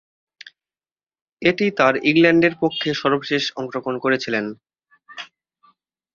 এটিই তার ইংল্যান্ডের পক্ষে সর্বশেষ অংশগ্রহণ ছিল।